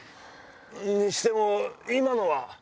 にしても今のは？